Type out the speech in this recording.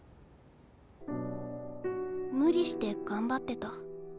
無理して頑張ってた。